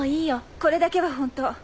これだけは本当。